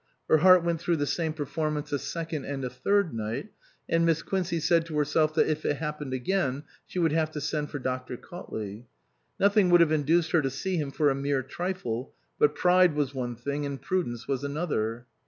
Her heart went through the same performance a second and a third night, and Miss Quincey said to herself that if it happened again she would have to send for Dr. Cautley. Nothing would have induced her to see him for a mere trifle, but pride was one thing and prudence was another.